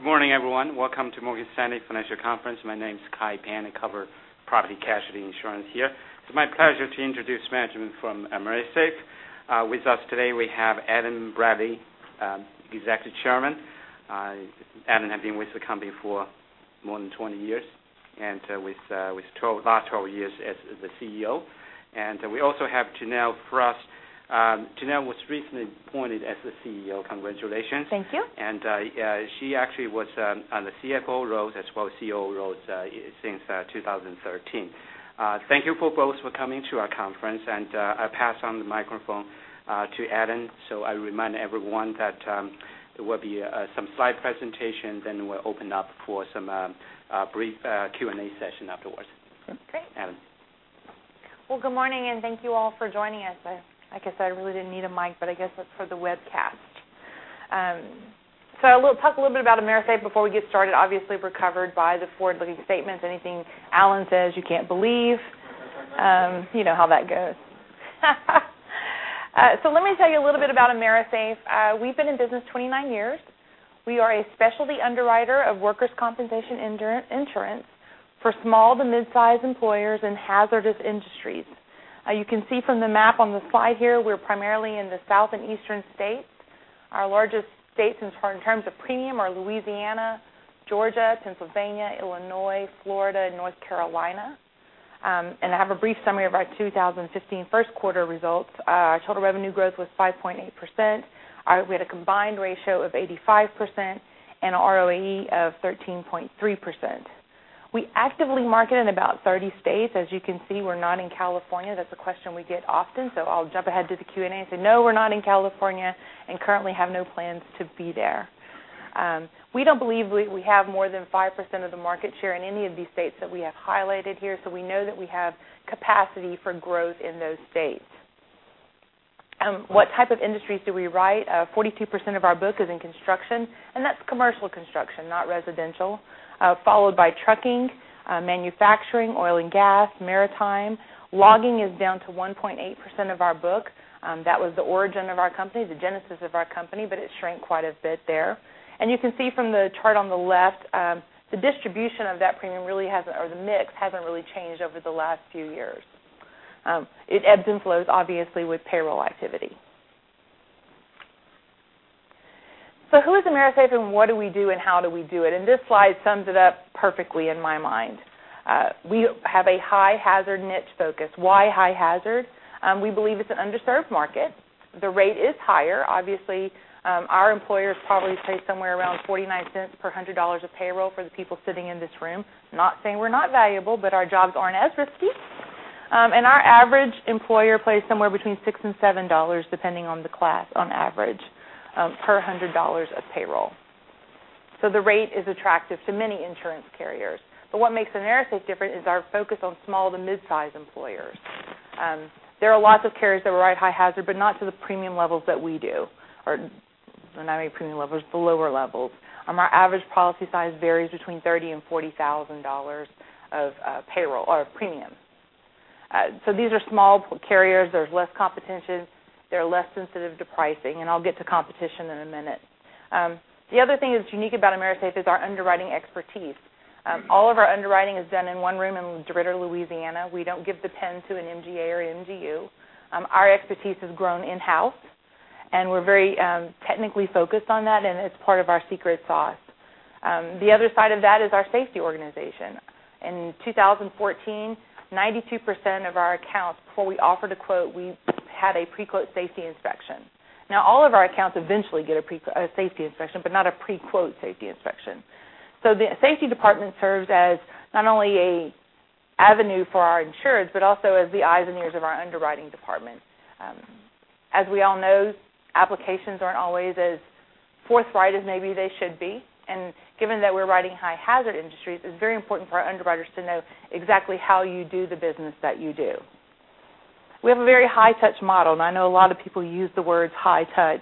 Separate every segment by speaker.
Speaker 1: Good morning, everyone. Welcome to Morgan Stanley Financial Conference. My name is Kai Pan, I cover property casualty insurance here. It is my pleasure to introduce management from AMERISAFE. With us today we have Allen Bradley, Executive Chairman. Allen has been with the company for more than 20 years, and with the last 12 years as the CEO. We also have Janelle Frost. Janelle was recently appointed as the CEO. Congratulations.
Speaker 2: Thank you.
Speaker 1: She actually was on the CFO role as well as CEO role since 2013. Thank you for both for coming to our conference. I pass on the microphone to Allen. I remind everyone that there will be some slide presentation, then we will open up for some brief Q&A session afterwards.
Speaker 2: Great.
Speaker 1: Alan.
Speaker 2: Well, good morning. Thank you all for joining us. I guess I really didn't need a mic, but I guess it is for the webcast. We will talk a little bit about AMERISAFE before we get started. Obviously, we are covered by the forward-looking statements. Anything Allen says you can't believe. You know how that goes. Let me tell you a little bit about AMERISAFE. We have been in business 29 years. We are a specialty underwriter of workers' compensation insurance for small to mid-size employers in hazardous industries. You can see from the map on the slide here, we are primarily in the South and Eastern states. Our largest states in terms of premium are Louisiana, Georgia, Pennsylvania, Illinois, Florida, and North Carolina. I have a brief summary of our 2015 first quarter results. Our total revenue growth was 5.8%. We had a combined ratio of 85% and a ROE of 13.3%. We actively market in about 30 states. As you can see, we're not in California. That's a question we get often. I'll jump ahead to the Q&A and say, "No, we're not in California, and currently have no plans to be there." We don't believe we have more than 5% of the market share in any of these states that we have highlighted here. We know that we have capacity for growth in those states. What type of industries do we write? 42% of our book is in construction, and that's commercial construction, not residential. Followed by trucking, manufacturing, oil and gas, maritime. Logging is down to 1.8% of our book. That was the origin of our company, the genesis of our company. It shrank quite a bit there. You can see from the chart on the left, the distribution of that premium, or the mix, hasn't really changed over the last few years. It ebbs and flows, obviously, with payroll activity. Who is AMERISAFE and what do we do and how do we do it? This slide sums it up perfectly in my mind. We have a high-hazard niche focus. Why high hazard? We believe it's an underserved market. The rate is higher. Obviously, our employers probably pay somewhere around $0.49 per $100 of payroll for the people sitting in this room. Not saying we're not valuable, but our jobs aren't as risky. Our average employer pays somewhere between $6 and $7, depending on the class, on average, per $100 of payroll. The rate is attractive to many insurance carriers. What makes AMERISAFE different is our focus on small to mid-size employers. There are lots of carriers that write high hazard, but not to the premium levels that we do. Or not maybe premium levels, the lower levels. Our average policy size varies between $30,000 and $40,000 of premium. These are small carriers. There's less competition. They're less sensitive to pricing, and I'll get to competition in a minute. The other thing that's unique about AMERISAFE is our underwriting expertise. All of our underwriting is done in one room in Destrehan, Louisiana. We don't give the pen to an MGA or MGU. Our expertise is grown in-house, and we're very technically focused on that, and it's part of our secret sauce. The other side of that is our safety organization. In 2014, 92% of our accounts, before we offered a quote, we had a pre-quote safety inspection. Now, all of our accounts eventually get a safety inspection, but not a pre-quote safety inspection. The safety department serves as not only a avenue for our insureds, but also as the eyes and ears of our underwriting department. As we all know, applications aren't always as forthright as maybe they should be. Given that we're writing high-hazard industries, it's very important for our underwriters to know exactly how you do the business that you do. We have a very high-touch model, and I know a lot of people use the words high touch.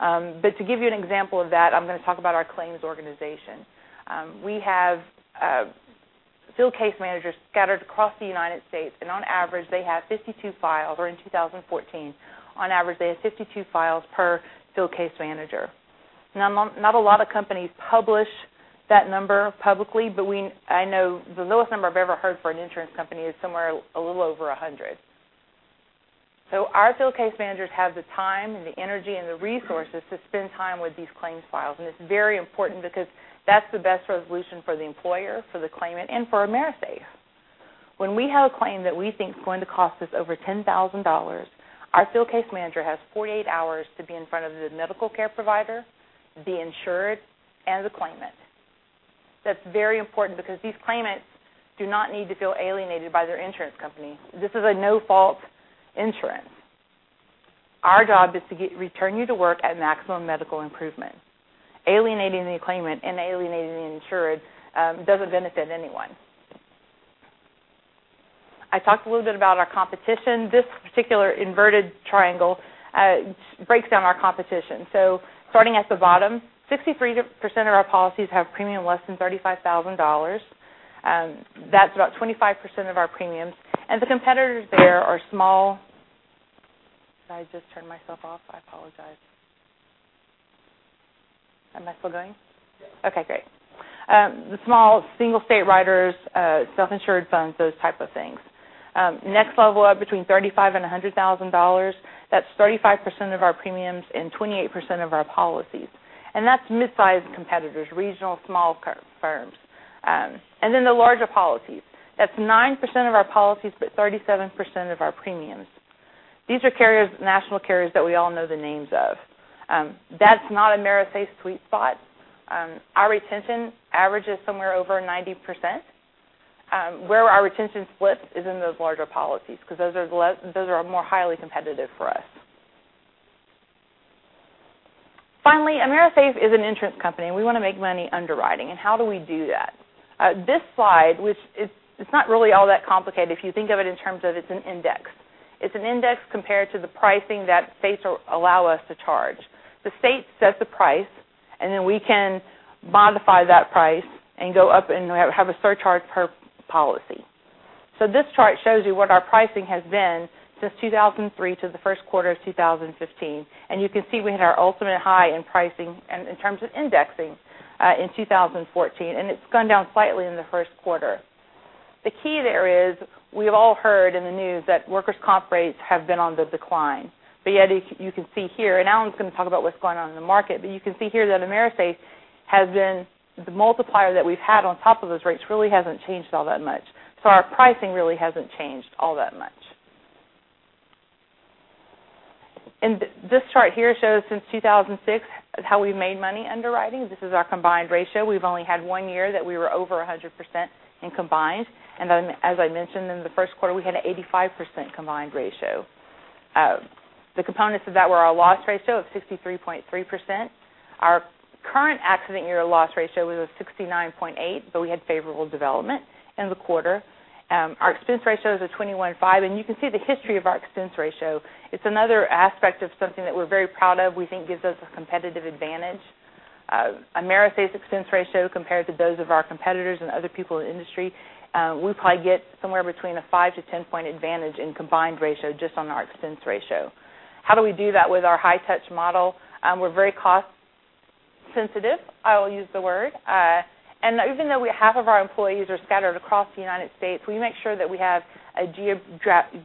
Speaker 2: To give you an example of that, I'm going to talk about our claims organization. We have field case managers scattered across the U.S., and on average they have 52 files. Or in 2014, on average, they had 52 files per field case manager. Not a lot of companies publish that number publicly, but I know the lowest number I've ever heard for an insurance company is somewhere a little over 100. Our field case managers have the time and the energy and the resources to spend time with these claims files. It's very important because that's the best resolution for the employer, for the claimant, and for AMERISAFE. When we have a claim that we think is going to cost us over $10,000, our field case manager has 48 hours to be in front of the medical care provider, the insured, and the claimant. That's very important because these claimants do not need to feel alienated by their insurance company. This is a no-fault insurance. Our job is to return you to work at maximum medical improvement. Alienating the claimant and alienating the insured doesn't benefit anyone. I talked a little bit about our competition. This particular inverted triangle breaks down our competition. Starting at the bottom, 63% of our policies have premium less than $35,000. That's about 25% of our premiums. The competitors there are small. Did I just turn myself off? I apologize. Am I still going?
Speaker 3: Yes.
Speaker 2: Okay, great. The small single-state writers, self-insured funds, those type of things. Next level up between $35,000 and $100,000. That's 35% of our premiums and 28% of our policies, and that's mid-sized competitors, regional small firms. The larger policies, that's 9% of our policies, but 37% of our premiums. These are national carriers that we all know the names of. That's not AMERISAFE's sweet spot. Our retention average is somewhere over 90%. Where our retention splits is in those larger policies because those are more highly competitive for us. Finally, AMERISAFE is an insurance company, and we want to make money underwriting. How do we do that? This slide, which it's not really all that complicated if you think of it in terms of it's an index. It's an index compared to the pricing that states allow us to charge. The state sets the price, then we can modify that price and go up and have a surcharge per policy. This chart shows you what our pricing has been since 2003 to the first quarter of 2015. You can see we hit our ultimate high in pricing and in terms of indexing, in 2014, and it's gone down slightly in the first quarter. The key there is we've all heard in the news that workers' comp rates have been on the decline. Yet you can see here, and Allen's going to talk about what's going on in the market, but you can see here that AMERISAFE, the multiplier that we've had on top of those rates really hasn't changed all that much. Our pricing really hasn't changed all that much. This chart here shows since 2006 how we've made money underwriting. This is our combined ratio. We've only had one year that we were over 100% in combined. As I mentioned in the first quarter, we had an 85% combined ratio. The components of that were our loss ratio of 63.3%. Our current accident year loss ratio was a 69.8%, we had favorable development in the quarter. Our expense ratio is at 21.5%, you can see the history of our expense ratio. It's another aspect of something that we're very proud of, we think gives us a competitive advantage. AMERISAFE's expense ratio compared to those of our competitors and other people in the industry, we probably get somewhere between a 5-10 point advantage in combined ratio just on our expense ratio. How do we do that with our high-touch model? We're very cost sensitive, I will use the word. Even though half of our employees are scattered across the U.S., we make sure that we have a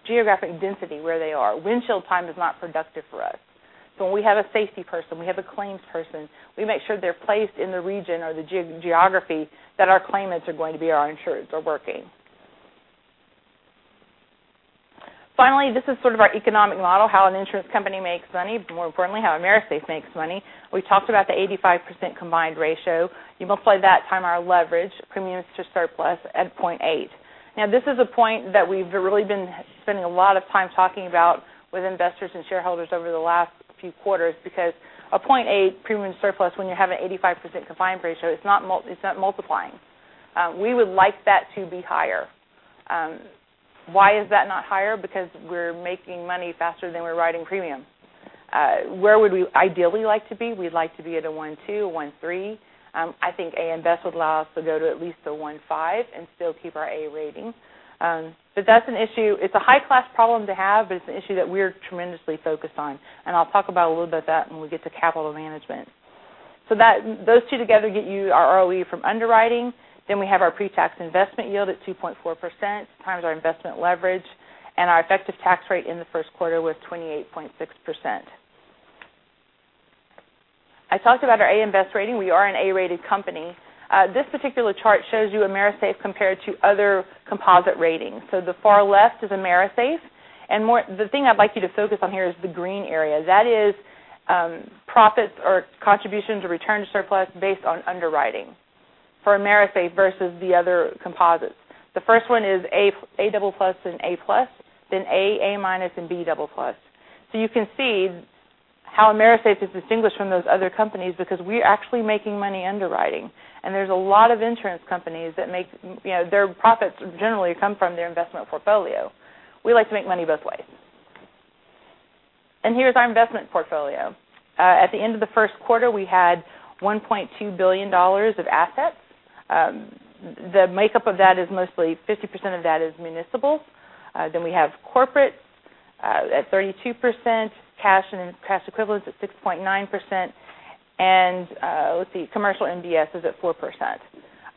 Speaker 2: geographic density where they are. Windshield time is not productive for us. When we have a safety person, we have a claims person, we make sure they're placed in the region or the geography that our claimants are going to be, our insureds are working. Finally, this is sort of our economic model, how an insurance company makes money, but more importantly, how AMERISAFE makes money. We talked about the 85% combined ratio. You multiply that time our leverage, premium to surplus at 0.8. This is a point that we've really been spending a lot of time talking about with investors and shareholders over the last few quarters because a 0.8 premium to surplus when you have an 85% combined ratio, it's not multiplying. We would like that to be higher. Why is that not higher? Because we're making money faster than we're writing premium. Where would we ideally like to be? We'd like to be at a 1.2, a 1.3. I think AM Best would allow us to go to at least a 1.5 and still keep our A rating. That's an issue. It's a high-class problem to have, it's an issue that we're tremendously focused on. I'll talk about a little bit of that when we get to capital management. That those two together get you our ROE from underwriting. We have our pretax investment yield at 2.4% times our investment leverage, and our effective tax rate in the first quarter was 28.6%. I talked about our AM Best rating. We are an A-rated company. This particular chart shows you AMERISAFE compared to other composite ratings. The far left is AMERISAFE. The thing I'd like you to focus on here is the green area. That is profits or contributions or return to surplus based on underwriting for AMERISAFE versus the other composites. The first one is A++ and A+, then A- and B++. You can see how AMERISAFE is distinguished from those other companies because we're actually making money underwriting, there's a lot of insurance companies that their profits generally come from their investment portfolio. We like to make money both ways. Here's our investment portfolio. At the end of the first quarter, we had $1.2 billion of assets. The makeup of that is mostly 50% of that is municipal. We have corporate at 32%, cash and cash equivalents at 6.9%. Let's see, commercial MBS is at 4%.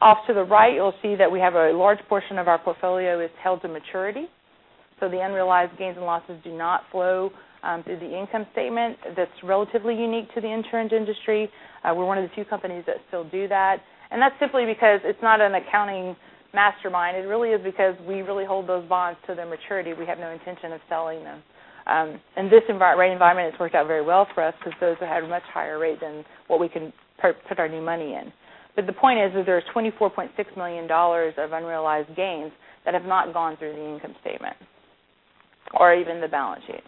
Speaker 2: Off to the right, you'll see that we have a large portion of our portfolio is held to maturity. The unrealized gains and losses do not flow through the income statement. That's relatively unique to the insurance industry. We're one of the few companies that still do that, and that's simply because it's not an accounting mastermind. It really is because we really hold those bonds to their maturity. We have no intention of selling them. In this rate environment, it's worked out very well for us because those have had a much higher rate than what we can put our new money in. The point is that there's $24.6 million of unrealized gains that have not gone through the income statement or even the balance sheet,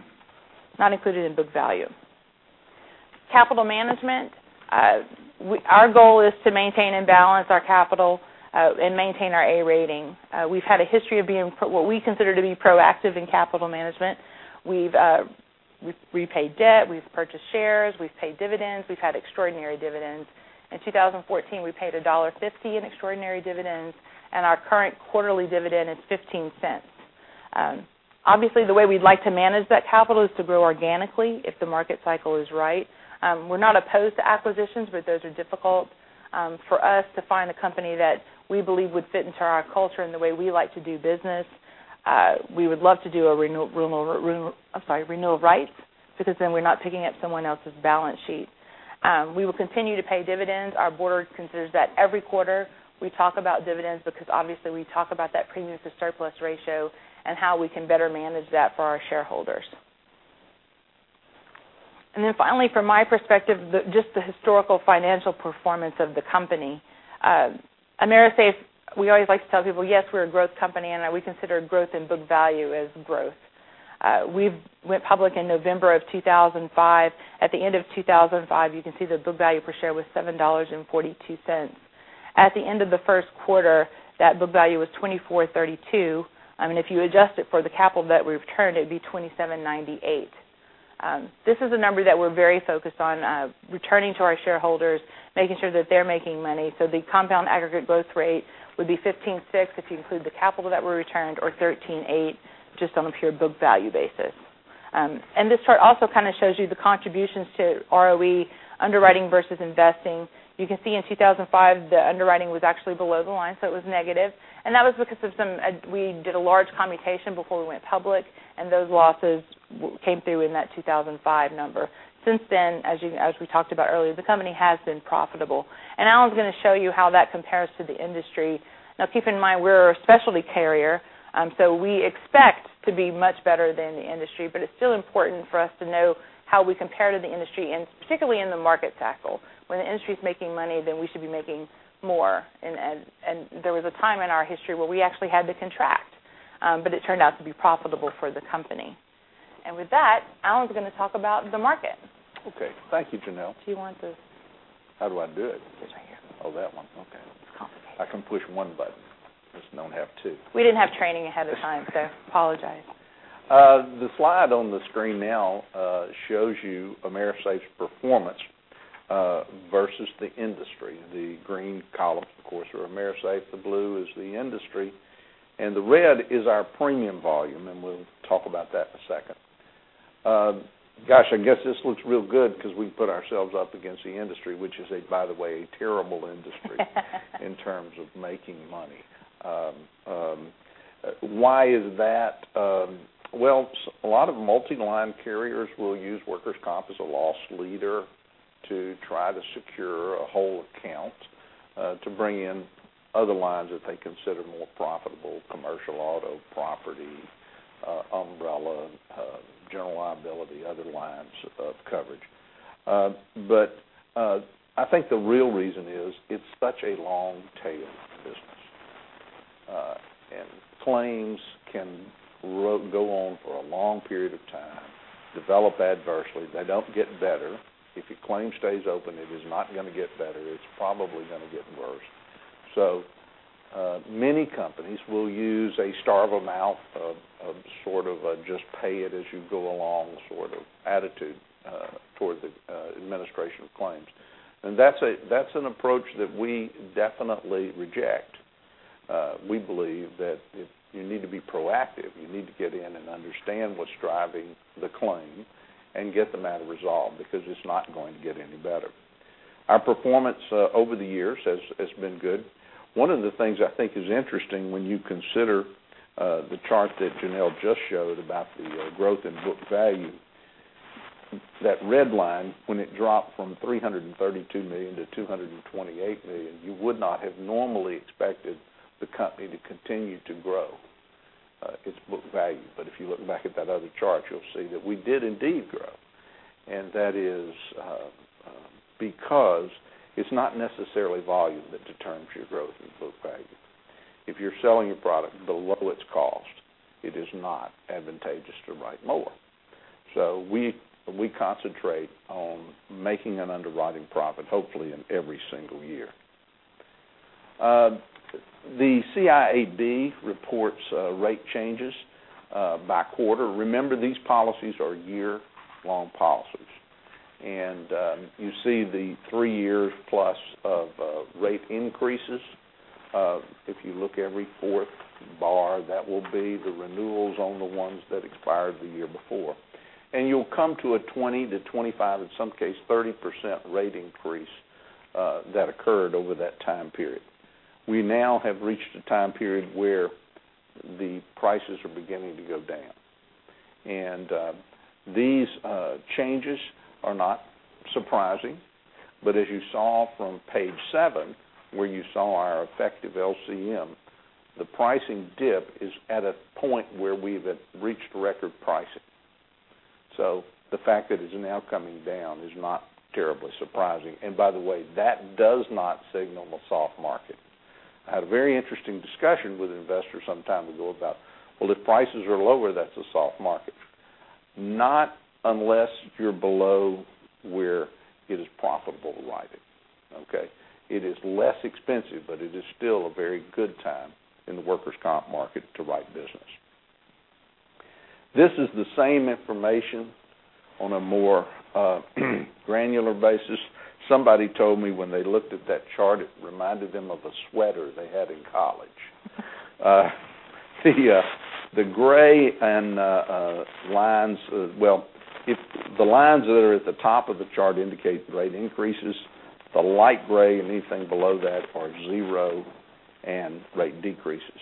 Speaker 2: not included in book value. Capital management. Our goal is to maintain and balance our capital, and maintain our A rating. We've had a history of being what we consider to be proactive in capital management. We've repaid debt, we've purchased shares, we've paid dividends, we've had extraordinary dividends. In 2014, we paid $1.50 in extraordinary dividends, and our current quarterly dividend is $0.15. Obviously, the way we'd like to manage that capital is to grow organically if the market cycle is right. We're not opposed to acquisitions, but those are difficult for us to find a company that we believe would fit into our culture and the way we like to do business. We would love to do a renew of rights, because then we're not picking up someone else's balance sheet. We will continue to pay dividends. Our board considers that every quarter. We talk about dividends because obviously we talk about that premium to surplus ratio and how we can better manage that for our shareholders. Finally, from my perspective, just the historical financial performance of the company. AMERISAFE, we always like to tell people, yes, we're a growth company, and that we consider growth in book value as growth. We went public in November of 2005. At the end of 2005, you can see the book value per share was $7.42. At the end of the first quarter, that book value was $24.32. If you adjust it for the capital that we've returned, it'd be $27.98. This is a number that we're very focused on, returning to our shareholders, making sure that they're making money. The compound aggregate growth rate would be 15.6 if you include the capital that we returned, or 13.8 just on a pure book value basis. This chart also kind of shows you the contributions to ROE underwriting versus investing. You can see in 2005, the underwriting was actually below the line, so it was negative. That was because we did a large commutation before we went public, and those losses came through in that 2005 number. Since then, as we talked about earlier, the company has been profitable. Allen's going to show you how that compares to the industry. Keep in mind, we're a specialty carrier. We expect to be much better than the industry. It's still important for us to know how we compare to the industry, particularly in the market cycle. When the industry's making money, we should be making more. There was a time in our history where we actually had to contract. It turned out to be profitable for the company. With that, Allen's going to talk about the market.
Speaker 4: Okay. Thank you, Janelle.
Speaker 2: If you want this.
Speaker 4: How do I do it?
Speaker 2: It's right here.
Speaker 4: Oh, that one. Okay.
Speaker 2: It's complicated.
Speaker 4: I can push one button. Just don't have two.
Speaker 2: We didn't have training ahead of time, so apologize.
Speaker 4: The slide on the screen now shows you AMERISAFE's performance versus the industry. The green columns, of course, are AMERISAFE, the blue is the industry, and the red is our premium volume, and we'll talk about that in a second. Gosh, I guess this looks real good because we put ourselves up against the industry, which is, by the way, a terrible industry in terms of making money. Why is that? Well, a lot of multiline carriers will use workers' comp as a loss leader to try to secure a whole account to bring in other lines that they consider more profitable, commercial auto, property, umbrella, general liability, other lines of coverage. I think the real reason is it's such a long tail business. Claims can go on for a long period of time, develop adversely. They don't get better. If a claim stays open, it is not going to get better. It's probably going to get worse. Many companies will use a starve amount of just pay it as you go along sort of attitude toward the administration of claims. That's an approach that we definitely reject. We believe that you need to be proactive. You need to get in and understand what's driving the claim and get the matter resolved because it's not going to get any better. Our performance over the years has been good. One of the things I think is interesting when you consider the chart that Janelle just showed about the growth in book value, that red line, when it dropped from $332 million to $228 million, you would not have normally expected the company to continue to grow its book value. If you look back at that other chart, you'll see that we did indeed grow. That is because it's not necessarily volume that determines your growth in book value. If you're selling a product below its cost, it is not advantageous to write more. We concentrate on making an underwriting profit, hopefully in every single year. The CIAB reports rate changes by quarter. Remember, these policies are year-long policies. You see the three years plus of rate increases. If you look every fourth bar, that will be the renewals on the ones that expired the year before. You'll come to a 20%-25%, in some case, 30% rate increase that occurred over that time period. We now have reached a time period where the prices are beginning to go down. These changes are not surprising. As you saw from page seven, where you saw our effective LCM, the pricing dip is at a point where we've reached record pricing. The fact that it's now coming down is not terribly surprising. By the way, that does not signal a soft market. I had a very interesting discussion with an investor some time ago about, well, if prices are lower, that's a soft market. Not unless you're below where it is profitable to write it. Okay? It is less expensive, but it is still a very good time in the workers' comp market to write business. This is the same information on a more granular basis. Somebody told me when they looked at that chart, it reminded them of a sweater they had in college. The gray lines, the lines that are at the top of the chart indicate rate increases. The light gray and anything below that are zero and rate decreases.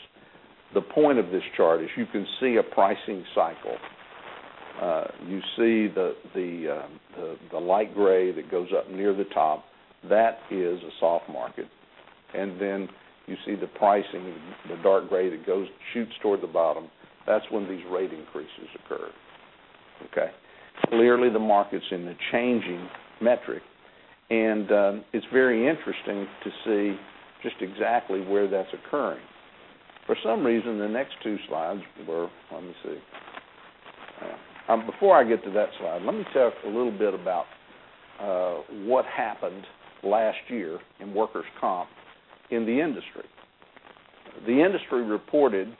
Speaker 4: The point of this chart is you can see a pricing cycle. You see the light gray that goes up near the top. That is a soft market. You see the pricing, the dark gray that shoots toward the bottom. That's when these rate increases occur. Okay? Clearly, the market's in the changing metric, and it's very interesting to see just exactly where that's occurring. Let me see. Before I get to that slide, let me talk a little bit about what happened last year in workers' comp in the industry. The industry reported,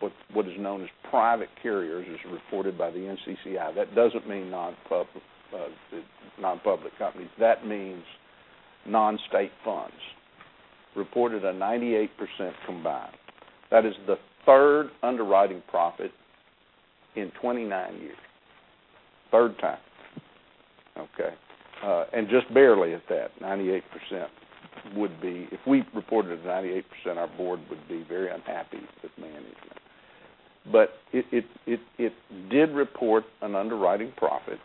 Speaker 4: what is known as private carriers, as reported by the NCCI. That doesn't mean non-public companies, that means non-state funds, reported a 98% combined. That is the third underwriting profit in 29 years. Third time. Okay? Just barely at that, 98%. If we reported a 98%, our board would be very unhappy with management. It did report an underwriting profit,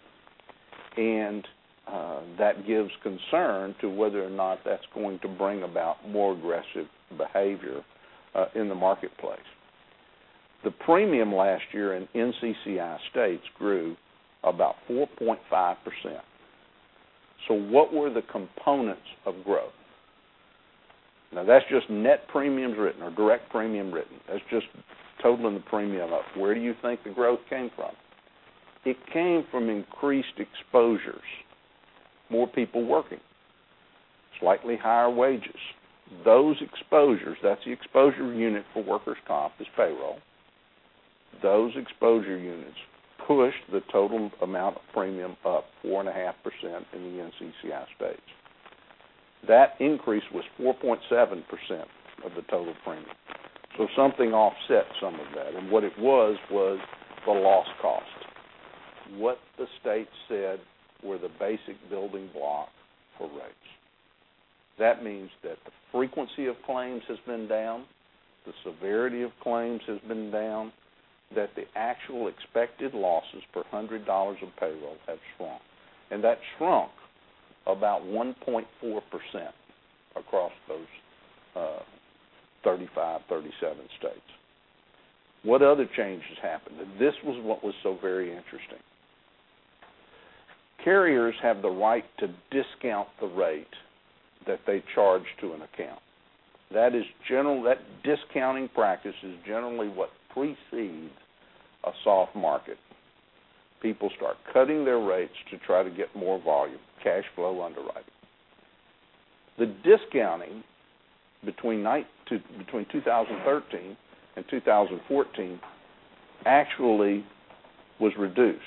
Speaker 4: and that gives concern to whether or not that's going to bring about more aggressive behavior in the marketplace. The premium last year in NCCI states grew about 4.5%. What were the components of growth? Now, that's just net premiums written or direct premium written. That's just totaling the premium up. Where do you think the growth came from? It came from increased exposures, more people working, slightly higher wages. Those exposures, that's the exposure unit for workers' comp is payroll. Those exposure units pushed the total amount of premium up 4.5% in the NCCI states. That increase was 4.7% of the total premium. Something offset some of that, and what it was the loss cost. What the state said were the basic building block for rates. That means that the frequency of claims has been down, the severity of claims has been down, that the actual expected losses per $100 of payroll have shrunk. That shrunk about 1.4% across those 35, 37 states. What other changes happened? This was what was so very interesting. Carriers have the right to discount the rate that they charge to an account. That discounting practice is generally what precedes a soft market. People start cutting their rates to try to get more volume, cash flow underwriting. The discounting between 2013 and 2014 actually was reduced.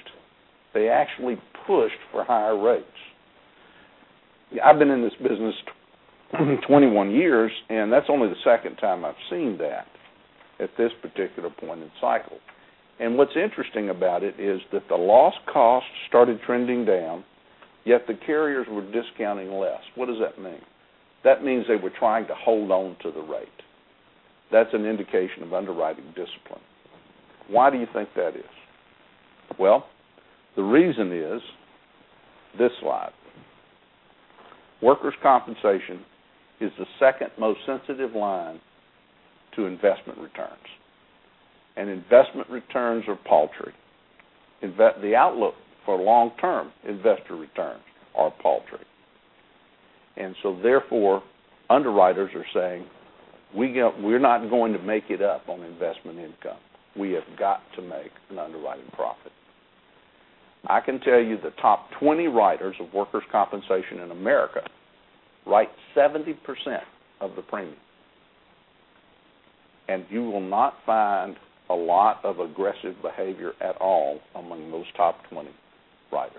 Speaker 4: They actually pushed for higher rates. I've been in this business 21 years, that's only the second time I've seen that at this particular point in cycle. What's interesting about it is that the loss cost started trending down, yet the carriers were discounting less. What does that mean? That means they were trying to hold on to the rate. That's an indication of underwriting discipline. Why do you think that is? Well, the reason is this slide. Workers' compensation is the second most sensitive line to investment returns, investment returns are paltry. The outlook for long-term investor returns are paltry. Therefore, underwriters are saying, we're not going to make it up on investment income. We have got to make an underwriting profit. I can tell you the top 20 writers of workers' compensation in America write 70% of the premium, you will not find a lot of aggressive behavior at all among those top 20 writers.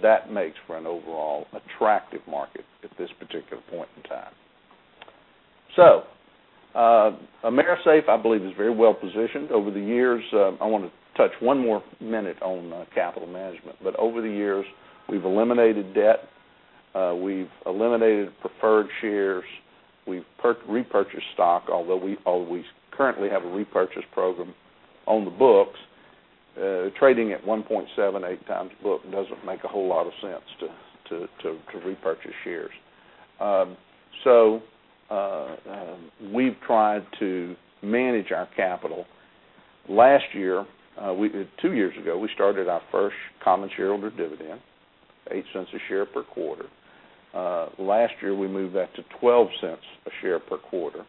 Speaker 4: That makes for an overall attractive market at this particular point in time. AMERISAFE, I believe, is very well-positioned. I want to touch one more minute on capital management, over the years, we've eliminated debt, we've eliminated preferred shares, we've repurchased stock, although we currently have a repurchase program on the books. Trading at 1.78 times book doesn't make a whole lot of sense to repurchase shares. We've tried to manage our capital. Two years ago, we started our first common shareholder dividend, $0.08 a share per quarter. Last year, we moved that to $0.12 a share per quarter.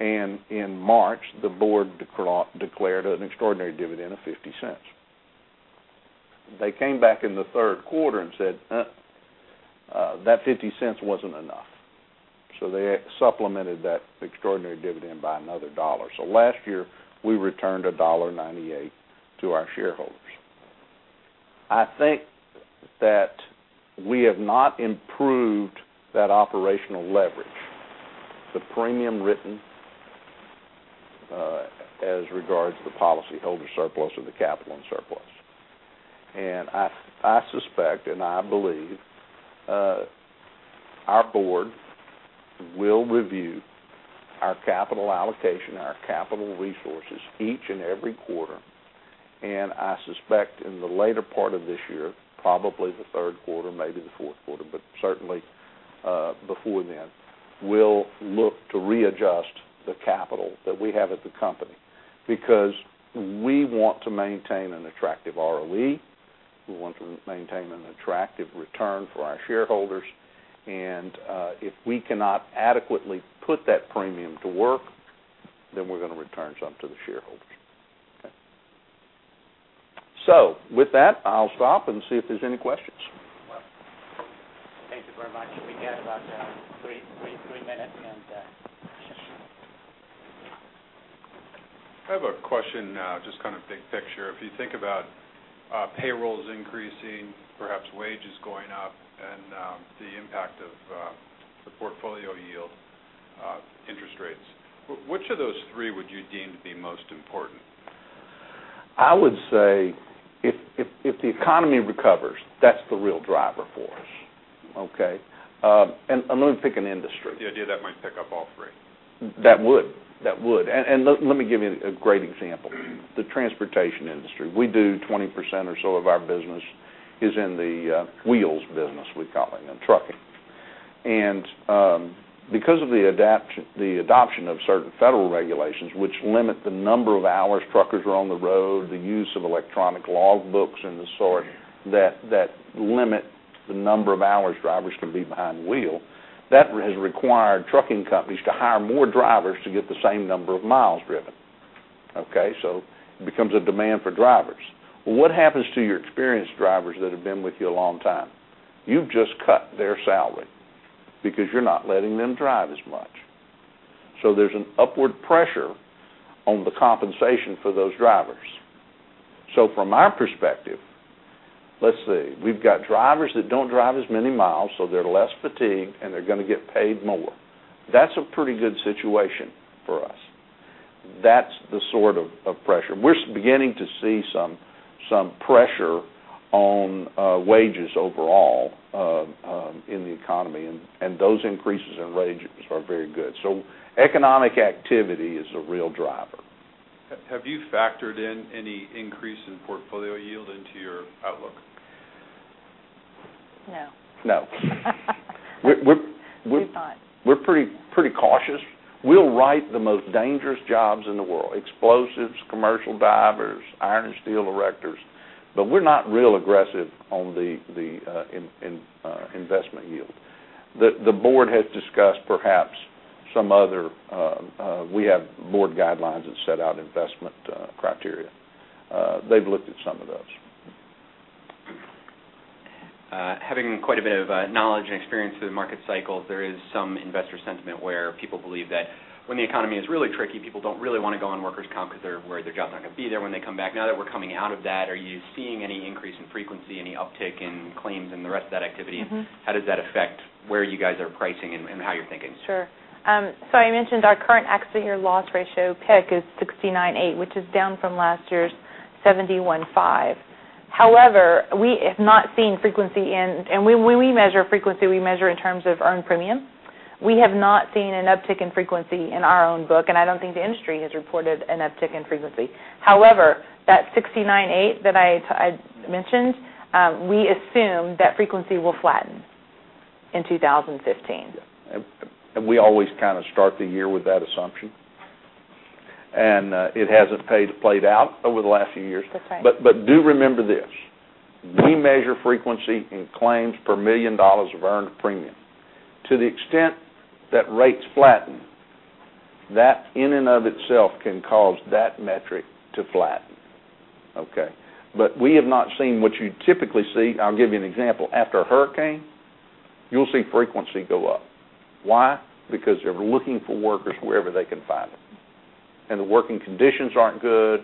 Speaker 4: In March, the board declared an extraordinary dividend of $0.50. They came back in the third quarter and said, "That $0.50 wasn't enough." They supplemented that extraordinary dividend by another $1.00. Last year, we returned $1.98 to our shareholders. I think that we have not improved that operational leverage, the premium written, as regards the policyholder surplus or the capital and surplus. I suspect, and I believe, our board will review our capital allocation, our capital resources each and every quarter. I suspect in the later part of this year, probably the third quarter, maybe the fourth quarter, but certainly before then, we'll look to readjust the capital that we have at the company, because we want to maintain an attractive ROE. We want to maintain an attractive return for our shareholders. If we cannot adequately put that premium to work, we're going to return some to the shareholders. Okay. With that, I'll stop and see if there's any questions.
Speaker 1: Thank you very much. We got about three minutes.
Speaker 5: I have a question now, just kind of big picture. If you think about payrolls increasing, perhaps wages going up, and the impact of the portfolio yield interest rates, which of those three would you deem to be most important?
Speaker 4: I would say if the economy recovers, that's the real driver for us, okay? I'm going to pick an industry.
Speaker 5: The idea that might pick up all three.
Speaker 4: That would. Let me give you a great example. The transportation industry. We do 20% or so of our business is in the wheels business, we're calling them, trucking. Because of the adoption of certain federal regulations, which limit the number of hours truckers are on the road, the use of electronic logbooks and the sort that limit the number of hours drivers can be behind the wheel, that has required trucking companies to hire more drivers to get the same number of miles driven, okay? It becomes a demand for drivers. What happens to your experienced drivers that have been with you a long time? You've just cut their salary because you're not letting them drive as much. There's an upward pressure on the compensation for those drivers. From our perspective, let's see, we've got drivers that don't drive as many miles, so they're less fatigued and they're going to get paid more. That's a pretty good situation for us. That's the sort of pressure. We're beginning to see some pressure on wages overall in the economy, and those increases in wages are very good. Economic activity is a real driver.
Speaker 5: Have you factored in any increase in portfolio yield into your outlook?
Speaker 2: No.
Speaker 4: No.
Speaker 2: We have not.
Speaker 4: We're pretty cautious. We'll write the most dangerous jobs in the world, explosives, commercial divers, iron and steel erectors. We're not real aggressive on the investment yield. The board has discussed perhaps. We have board guidelines that set out investment criteria. They've looked at some of those.
Speaker 5: Having quite a bit of knowledge and experience with market cycles, there is some investor sentiment where people believe that when the economy is really tricky, people don't really want to go on workers' comp because they're worried their job's not going to be there when they come back. Now that we're coming out of that, are you seeing any increase in frequency, any uptick in claims and the rest of that activity? How does that affect where you guys are pricing and how you're thinking?
Speaker 2: Sure. I mentioned our current accident year loss ratio pick is 69.8, which is down from last year's 71.5. However, we have not seen frequency. When we measure frequency, we measure in terms of earned premium. We have not seen an uptick in frequency in our own book, and I don't think the industry has reported an uptick in frequency. However, that 69.8 that I mentioned, we assume that frequency will flatten in 2015.
Speaker 4: We always kind of start the year with that assumption. It hasn't played out over the last few years.
Speaker 2: That's right.
Speaker 4: Do remember this: we measure frequency in claims per million dollars of earned premium. To the extent that rates flatten, that in and of itself can cause that metric to flatten, okay? We have not seen what you typically see. I'll give you an example. After a hurricane, you'll see frequency go up. Why? Because they're looking for workers wherever they can find them, and the working conditions aren't good.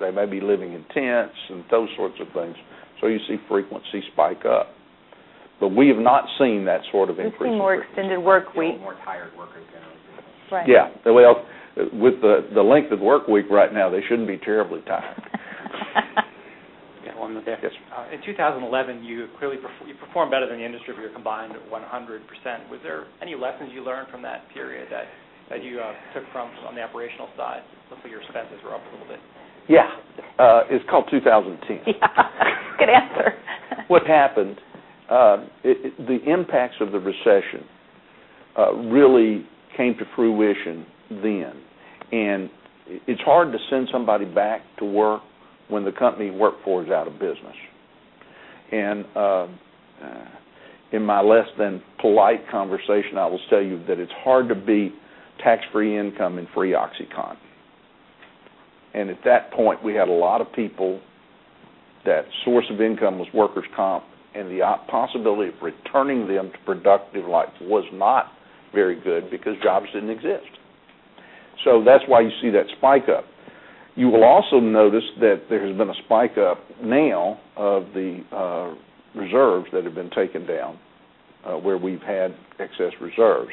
Speaker 4: They may be living in tents and those sorts of things. You see frequency spike up. We have not seen that sort of increase in frequency.
Speaker 2: We've seen more extended work week.
Speaker 5: More tired workers now.
Speaker 2: Right.
Speaker 4: Yeah. Well, with the length of work week right now, they shouldn't be terribly tired.
Speaker 5: Got one in the back. Yes, sir. In 2011, you clearly performed better than the industry with your combined 100%. Was there any lessons you learned from that period that you took from on the operational side? Hopefully, your expenses were up a little bit.
Speaker 4: Yeah. It's called 2010.
Speaker 2: Yeah. Good answer.
Speaker 4: What happened, the impacts of the recession really came to fruition then, it's hard to send somebody back to work when the company he worked for is out of business. In my less than polite conversation, I will tell you that it's hard to beat tax-free income and free OxyContin. At that point, we had a lot of people, that source of income was workers' comp, and the possibility of returning them to productive life was not very good because jobs didn't exist. That's why you see that spike up. You will also notice that there has been a spike up now of the reserves that have been taken down, where we've had excess reserves.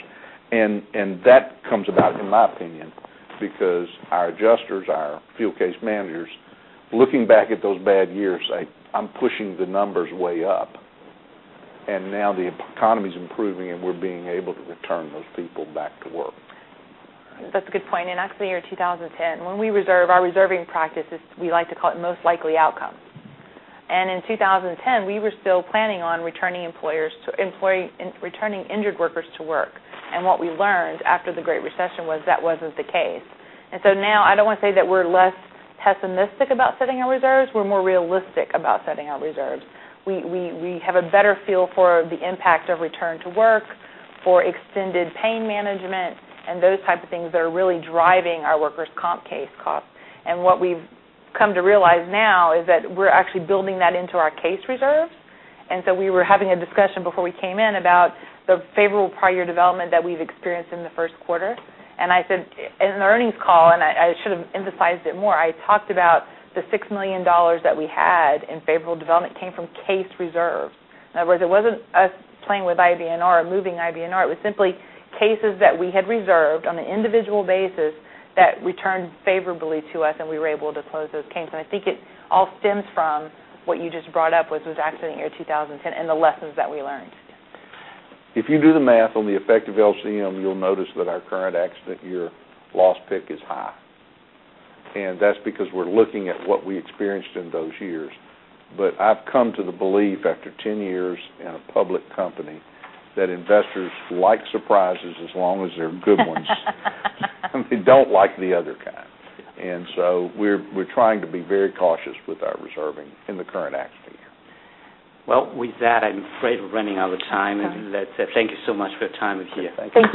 Speaker 4: That comes about, in my opinion, because our adjusters, our field case managers, looking back at those bad years, say, "I'm pushing the numbers way up." Now the economy's improving, and we're being able to return those people back to work.
Speaker 2: That's a good point. In accident year 2010, when we reserve, our reserving practice is, we like to call it most likely outcome. In 2010, we were still planning on returning injured workers to work. What we learned after the Great Recession was that wasn't the case. So now I don't want to say that we're less pessimistic about setting our reserves. We're more realistic about setting our reserves. We have a better feel for the impact of return to work, for extended pain management, and those type of things that are really driving our workers' comp case costs. What we've come to realize now is that we're actually building that into our case reserves. So we were having a discussion before we came in about the favorable prior development that we've experienced in the first quarter. I said in the earnings call, I should've emphasized it more, I talked about the $6 million that we had in favorable development came from case reserves. In other words, it wasn't us playing with IBNR or moving IBNR. It was simply cases that we had reserved on an individual basis that returned favorably to us, and we were able to close those cases. I think it all stems from what you just brought up, which was accident year 2010 and the lessons that we learned.
Speaker 4: If you do the math on the effective LCM, you'll notice that our current accident year loss pick is high. That's because we're looking at what we experienced in those years. I've come to the belief after 10 years in a public company that investors like surprises as long as they're good ones. They don't like the other kind. So we're trying to be very cautious with our reserving in the current accident year.
Speaker 1: Well, with that, I'm afraid we're running out of time.
Speaker 2: Sorry.
Speaker 1: With that said, thank you so much for your time with you.
Speaker 2: Thank you.